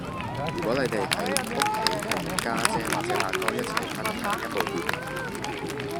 如果你哋喺屋企係同家姐或者阿哥一齊分享一部電腦